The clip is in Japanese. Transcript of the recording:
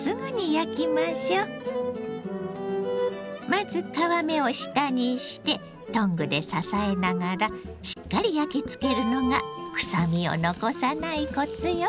まず皮目を下にしてトングで支えながらしっかり焼きつけるのがくさみを残さないコツよ。